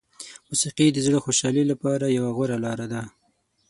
موسیقي د زړه خوشحالي لپاره یوه غوره لاره ده.